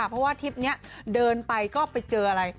เพราะว่าทริปนี้เดินไปก็ไปเจออะไร